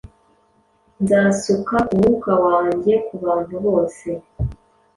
nzasuka ku Mwuka wanjye ku bantu bose: